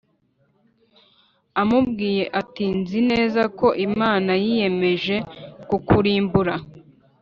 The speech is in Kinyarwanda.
amubwiye ati nzi neza ko Imana yiyemeje kukurimbura